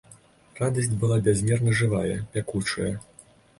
Радасць была бязмерна жывая, пякучая.